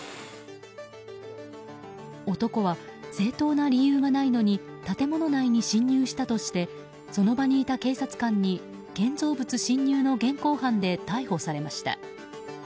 男は正当な理由がないのに建物内に侵入したとしてその場にいた警察官に建造物侵入の現行犯で逮捕されました。